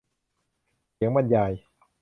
เสียงบรรยาย